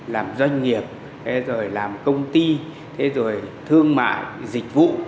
làm doanh nghiệp rồi làm công ty thế rồi thương mại dịch vụ